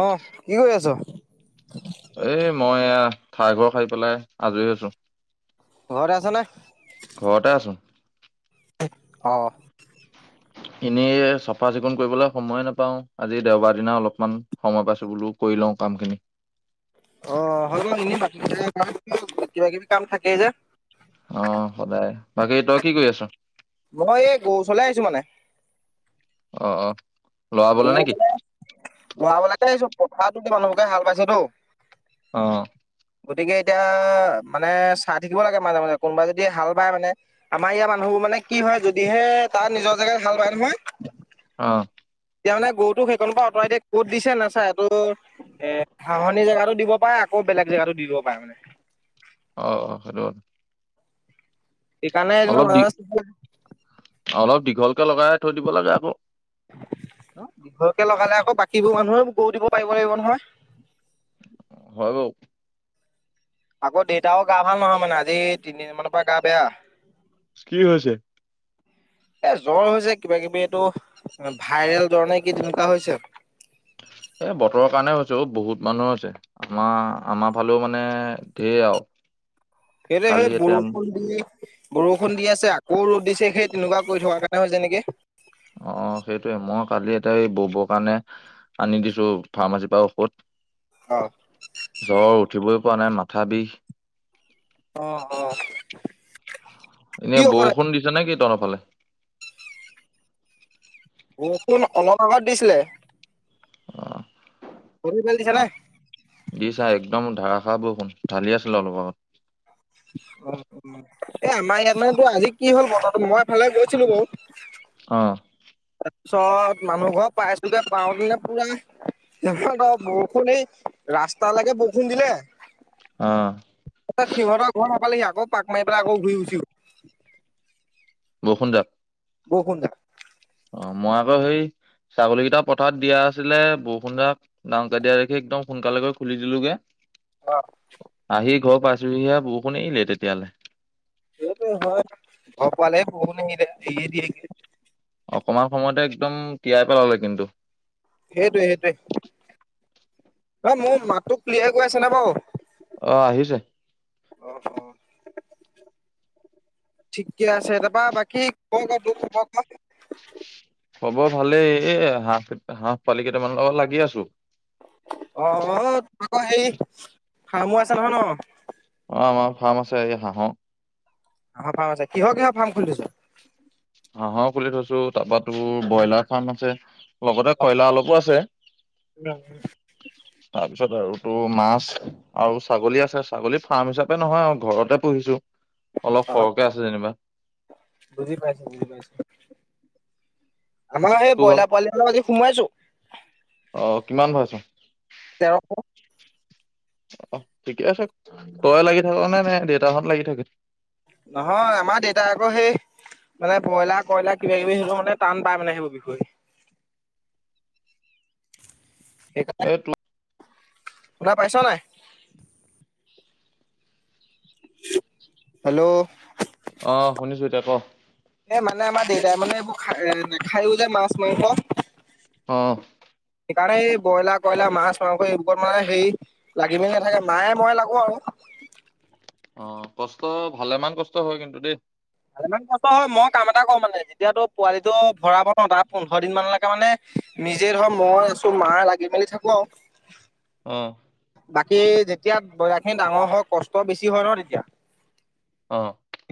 অঁ কি কৰি আছ? এ মই এয়া থাই ঘৰ খাই পেলাই আজৰি আছো ঘৰতে আছ নে? ঘৰতে আছো। অঁ। এনেই চাফা চিকুণ কৰিবলৈ সময় নাপাওঁ আজি দেওবাৰ দিনা অলপমান সময় পাইছো বোলো কৰি লওঁ কাম খিনি অঁ হল কিবা কিবি কাম থাকেই যে অঁ, সদায় বাকী তই কি কৰি আছ? মই এই গৰু ওচৰলে আহিছো মানে অঃঅঁ। গৰু ব গোৱা বলাকে এই চব পথাৰ মানুহবিলাকে হাল বাই ছে তো অ'। গতিকে এতিয়া মানে চাই থাকিব লাগে মাজে মাজে কোনোবাই যদি হাল বায় মানে আমাৰ ইয়াৰ মানুহবোৰ মানে কি হয় যদিহে তাৰ নিজৰ জেগাত হাল বায় নহয় অ'। এতিয়া মানে গৰুটো সেই কোনো পৰা আঁতৰাই দিয়ে ক'ত দিছে নাচা এইটো এ ঘাহনি জেগাতো দিব পাৰে আকৌ বেলেগ জেগাতো দি দিব পাৰে মানে। অ অ সেইটো কথা। এইেইকাৰ নাই এক অলপ দি ম অলপ দীঘলকে লগাই থৈ দিব লাগে আকৌ দীঘকে লগালে আকৌ বাকীবোৰ মানুহে গৰু দিব পাৰিব লাগিব নহয়। হয়। আকৌ দেউতাও গা ভাল নহয় মানে আজি তিনিদিন মানৰ পৰা গা বেয়া। কি হৈছে? এ জ্বৰ হৈছে কিবা কিবি এইটো ভাইৰেল জ্বৰ নে কি তেনেকুৱা হৈছে। এ বতৰৰ কাৰণে হৈ জ্বৰ বহুত মানুহৰ হৈছে। আমাৰ-আমাৰ ফালেও মানে ঢেৰ আৰু। কালি তেনেহলে এতিয়া বৰষুণ দি বৰষুণ দি আছে, আকৌ ৰ'দ দিছে। সেই তেনেকুৱা কৰি থকাৰ কাৰণে হৈছে নেকি? অ', সেইটোৱে, মই কালি এটা এই ব'বৰ কাৰণে আনি দিছো ফাৰ্মাচীৰ পৰা অ। ঔষধ। জ্বৰ উঠিবই পোৱা নাই, মাথা বিষ। অ', অ'। কি এনে ঔষধ বৰষুণ দিছে নেকি তহঁত ফালে। বৰষুণ অলপ আগত দিছিলে। অহ। গৰুৰ পোৱালী দিছে [unintelligible] দিছা একদম ধাৰাষাৰ বৰষুণ। ঢালি আছিলে অলপ আগত। [unintelligible] এ আমাৰ ইয়াত মানে তোৰ আজি কি হ'ল বতৰটো! মই এফালে গৈছিলোঁ বাৰু। অ'। পিছত মানুহ ঘৰ পাইছোঁগে [unintelligible] বৰষুণ এই ৰাস্তালৈকে বৰষুণ দিলে। অ এ সিহঁতৰ ঘৰ পালেহি, আকৌ পাক মাৰি পেলে আকৌ ঘূৰি গুচি গ'ল। [inaudible] [inaudible] অ' মই আকৌ সেই ছাগলী কেইটা পথাৰত দিয়া আছিলে বৰষুণ যাক ডাঙক দিয়া দেখি একদম সোনকালে গে খুলি দিলোগে আহি [inaudible] ঘৰ পাইছোহিহে বৰষুণ আহিলে তেতিয়ালে। [unintelligible] অকমান সময়তে একদম তিয়াই পেলালে কিন্তু। সেইটোৱে সেইটোৱে অ' মোৰ মাততো ক্লিয়াই গৈ আছে নে বাৰু? অ আহিছে অ' অ' ঠিকে আছে তাৰপা বাকী [unintelligible] হব ভালেই এ হাঁহ ক হাঁহ পোৱালি কেইটামান লগত লাগি আছো অ তহঁতৰ সেই ফাৰ্মো আছে নহয় ন অ অ ফাৰ্ম আছে এই হাহৰ হাঁহৰ ফাৰ্ম আছে কিহৰ কিহৰ ফাৰ্ম খুলি থৈছো হাঁহৰ খুলি থৈছো তাৰপৰা তোৰ ব্ৰইলাৰ ফাৰ্ম আছে লগতে অ কয়লা অলপো আছে তাৰপিছত আৰু তোৰ মাছ আৰু ছাগলী আছে ছাগলী ফাৰ্ম হিচাপে নহয় আৰু ঘৰতে পুহিছো অলপ অ সৰহকে আছে যেনিবা বুজি পাইছো [unintelligible] আমাৰ এই তোৰ ব্ৰইলাৰ ভাগ পোৱালিটো আজি সোমাইছোঁ অ কিমান হৈছে তেৰশ অ ঠিকে আছে তই লাগি থাক নে নে দেউতাহঁত লাগি থাক নহয় আমাৰ দেউতাই আকৌ সেই মানে ব্ৰইলাৰ কয়লাৰ কিবা কিবি হলেও মানে টান পাই মানে সেইবোৰ বিষয়ে এইটো শুনা পাইছ নে হেল্ল' অঁ শুনিছো এতিয়া ক এ মানে আমাৰ দেউতাই মানে এইবোৰ খাই নাখায়ও যে মাছ মাংস। অঁ সেইকাৰণে এই ব্ৰইলাৰ কইলাৰ মাছ মাৰংস ওপৰত মানে হেৰি লাগি মেলি নাথাকে মায়ে মইে লাগো আৰু। অ কষ্ট ভালে মান কষ্ট হয় কিন্তু দেই। ভালেমান কষ্ট হয় মই কাম এটা কৰোঁ মানে যেতিয়া পোৱালিটো ভৰাব ন তাৰ পোন্ধৰ দিন মানলৈকে মানে নিজে ধৰ মই আছো মা লাগি মেলি থাকো আৰু। অ বাকী যেতিয়া দয়াখিনি ডাঙৰ হয় কষ্ট বেছি হয় ন তেতিয়া অ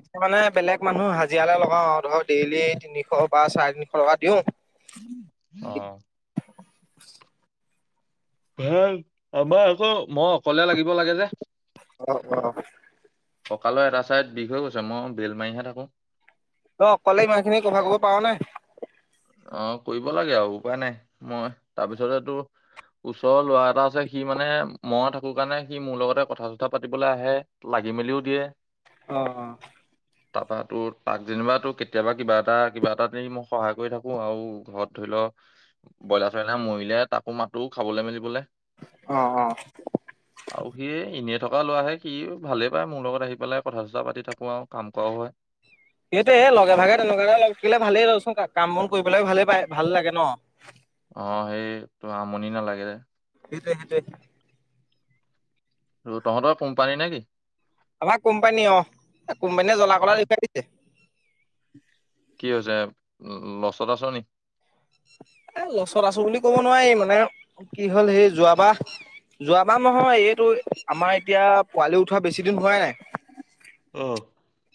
এতিয়া মানে বেলেগ মানুহ হাজিৰালৈ লগাওঁ ধৰ ডেইলি তিনিশ বা চাৰে তিনিশ টকা দিওঁ। অঁ ভ আমাৰ আকৌ মই অকলে লাগিব লাগে যে। অ অ কঁকালৰ এটা ছাইত বিষ হৈ গৈছে মই বেটমাৰিহে থাকো। অ অকলে ইমান খিনি কভাৰ কৰিব পৰা নাই। অ কৰিব লাগে আৰু উপায় নাই মই তাৰপিছতেটো ওচৰৰ লৰা এটা আছে সি মানে মই থাকো কাৰণে সি মোৰ লগতে কথা চথা পাতিবলৈ আহে লাগি মেলিও দিয়ে। অ অ তাৰপৰা তোৰ তাক যেনিবা ত কেতিয়াবা কিবা এটা কিবা এটা মই সহায় কৰি থাকো। আৰু ঘৰত ধৰি লও ব্ৰইলাৰ চইলাৰ মৰিলে তাকো মাতো খাবলৈ মেলিবলৈ। অ অ অ আৰু সি এনে থকা ল'ৰাহে কি ভালে পায় মোৰ লগত আহি পেলাই কথা চথা পাতি থাকো আৰু কাম কৰাও হয়। সেইটোৱে লগে ভাগে তেনেকুৱাকে লগ থাকিলে ভালেই ৰচোন কাম বন কৰিবলৈ ভালেই পায় ভাল লাগে ন অ সেইটো আমনি নালাগে যে। সেইটোৱে সেইটোৱে ত তহঁতৰ কোম্পানী নে কি? আমাৰ কোম্পানী অ কোম্পানীয়ে জলা কলা অ দেখুৱাই দিছে। [unintelligible] কি হৈছে। উম লছত আছো নি? এ লছত আছো বুলি কব নোৱাৰি মানে কি হল সেই যোৱাবাৰ যোৱাবাৰ নহয় এইটো আমাৰ এতিয়া পোৱালি উঠোৱা বেছি দিন হোৱাই নাই। অ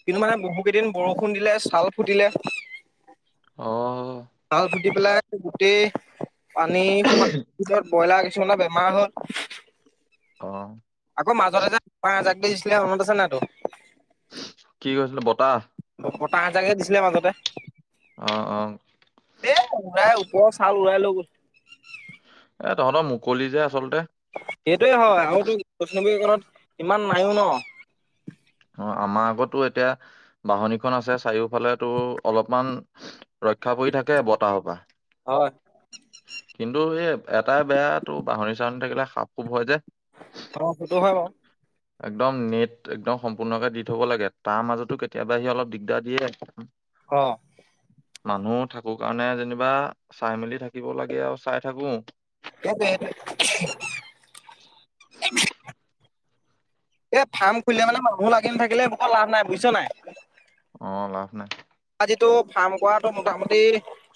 কিন্তু মানে বহু কেইদিন বৰষুণ দিলে ছাল ফুটিলে। অহ। চাল ফুট পেলাই গোটেই। পানী সোমাই। কইলা কিছুমানে বেমাৰ হ'ল। অ আকৌ মাজতে যাকজ। ব দিছিলে মনত আছে নাই টো। কি কৈইছিলে বতাহ। প বতাহ হজাকে দিছিলে মাজতে। অহ অ। বহত চাল উোৱা লৈগল। এ তহঁতৰ মুকলি যে আচলতে। সেইটোৱে হয় আৰু কৈষ্ণৱী কণত। ইমান নাইয়ো ন। অ আমাৰ আগতো এতিয়া বাহনিখন আছে। চাৰিওফালে অলপমান। ৰক্ষা পৰি থাকে বতাহ পা। হয় কিন্তু এই এটাই বেয়াতটো বাঁহনি চাহনি থাকিলে সাপ খুব হয় যে। ত ফটো হয়। একদম নেট একদম। সম্পূৰ্ণকে দি থ'ব লাগে তাৰ মাজতো কেতিয়াবা সি অলপ দিগদাৰ দিয়ে। অ। মানুহ থাকো কাৰণে যেনিবা চাই মেলি থাকিব লাগে আৰু চাই থাকো। ক [unintelligible] এই ফাৰ্ম খুলিলে মানে মানুহ লাগি ন থাকিলেোকৰ লাভ নাই বুজিছা নাই। অঁ লাভ নাই। যিটো ফাৰ্ম কৰাটো মোটামুটি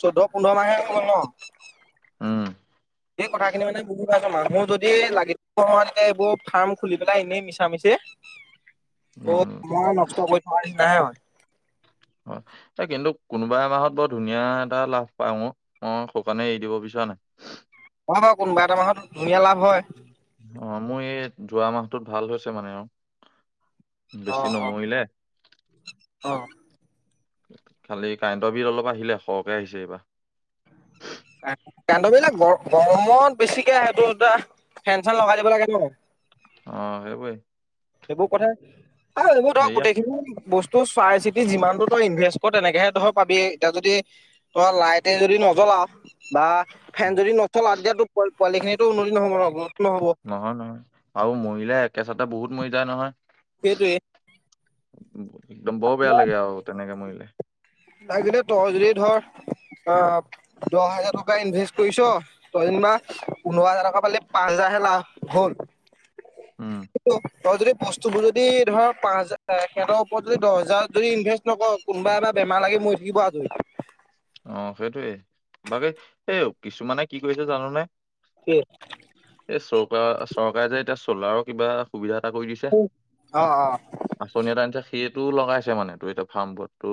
চৈধ্য পোন্ধৰ মাহ হল ন। উম। এইেই কথাখিনি মানে বহুত আাইছো মানুহ যদি লাগি সময় তেতিয়া এইবোৰ ফাৰ্ম খুলি পেলাই এনেই মিছা মিছি। অ উম মই নষ্ট কৰি থ নিচিনাহে হয়। হয় এই কিন্তু কোনোবা এ মাহত বৰ ধুনীয়া এটা লাভ পায় মোৰ অ শুকানে এৰি দিব বিচৰা নাই। অ কোনোবা এটা মাহত ধুনীয়া লাভ। হয়। অ মোৰ এই যোৱা মাহটোত ভাল হৈছে মানে আৰু। অ বেছি অ নমৰিলে আহ খালি কাৰেণ্টৰ বিল অলপ আহিলে সৰহকে আহিছে এইবাৰ কাইট বিলাক গ গৰমত বেছিকে সেইটো ফেন চেন লগাই দিব লাগে ন [unintelligible] অ সবাই [unintelligible] এইবোৰ কথা অ আহিব ধক গোটেইখিনি বস্তু ত চাই চিতি যিমানটো তই ইনভেষ্ট কৰ তেনেকেহে তই পাবি এতিয়া যদি তই লাইট যদি নজ্বলাঅ বা ফেন যদি নথলা তেতিয়াতো পোৱা খিনি উন্নতি নহব ন'ব [unintelligible] নহয় নহয় আৰু মহিলাই একে চ [unintelligible] এ বহুত মৰি যা নহয় সেইটোৱে একদম বৰ বেয়া লাগে আৰু তেনেকে মই [inaudible] লাগে তই যদি ধৰ আহ দহ হাজাৰ টকা ইনভেষ্ট কৰিছ তই যেনিবা পোন্ধৰ হাজাৰ টকা পালি পাঁচ হাজাৰ হে লাভ হ'ল [unintelligible] উম ধ যদি বস্তুবোৰ যদি ধৰা পাঁচ হাজাৰ সহতৰ ওপৰত যদি দহ হাজাৰ যদি ইনভেষ্ট নকৰ কোনোবা এ [unintelligible] বেমাৰ লাগে মৰি থাকিব আজৰি অ সেইটোৱে বাকী এই কিছুমানে কি কৰিছে জানোনোই এই চৰকা চৰকাৰে যে এতিয়া চ'লাৰৰ কিবা সুবিধা এ কৰি দিছে অ অ আঁচনি এটা আনিছে সেইত বি লগাইছে মানে তটো এতিয়া ফাৰ্ম বত তটো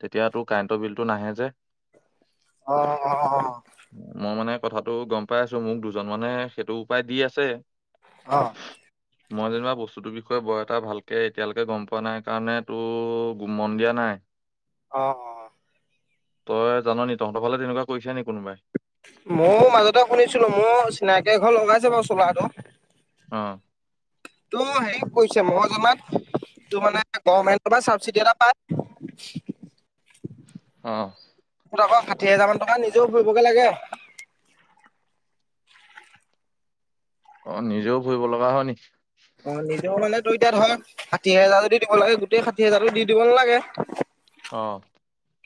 তেতিয়াাতটো কাৰেণ্টৰ বিল টো নাহে যে [unintelligible] অ মই মানে কথাতটো গম পাই আছো মোক দুজন মানে সেইটো উপায় দি আছে অ মই যেনিবা বস্তুটোৰ বিষয়ে বৰ এটা ভালকে এতিয়ালৈকে গম পোৱা নাই কাৰণে তো মন দিয়া নাই অ অ তই জান নি তহঁতৰ ফালে তেনেকুৱা কৰিছে নেকি কোনোবাই ময় মাজতে শুনিছিলো মোৰ চিনাকি এ ঘৰ লগাইছে বাৰু চোলাটো [unintelligible] অ ত হেৰি কৈছে মই জনাত তোমাল [unintelligible] কমেট [unintelligible] চাবচিডি এটা পায় [inaudible] অ মত আকৌ ষাঠি হোজাৰ মান টকা নিজেও ফুৰিবগে লাগে [unintelligible] অ নিজেও ফুৰিব লগা হয় নেকি অ নিজে মানে মই [unintelligible] এতিয়া ধৰ, ষাঠি হাজাৰ যদি দিব লাগে, গোটেই ষাঠি হাজাৰো দি দিব নালাগে। অ'!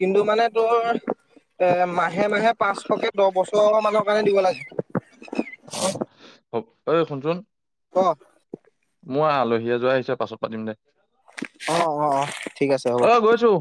কিন্তু মানে, তোৰ এ, মাহে মাহে পাঁচশকে দহ বছৰ মানৰ কাৰণে দিব লাগে। অ'! ঐ শুনচোন! অ'! মোৰ আলহী এযোৰ আহিছে। পাছত পাতিম দে! অ' অ' অ'! ঠিক আছে হ'ব। অ' গৈছো।